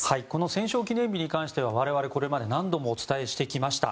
戦勝記念日に関しては我々、これまで何度もお伝えしてきました。